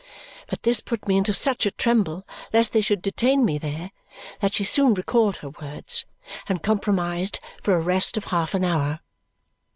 But this put me into such a tremble lest they should detain me there that she soon recalled her words and compromised for a rest of half an hour.